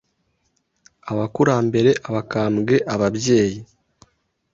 abakurambere, abakambwe, ababyeyi,